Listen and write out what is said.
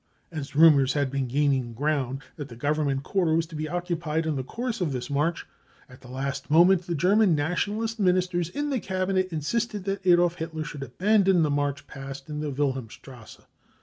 As rumours had been gaining ground that the Government quarter was to be occupied in the course of this march, at the last moment the German Nationalist Minist ers in the Cabinet insisted that Adolf Hitler should abandon the march past in the Wilhelmstrasse.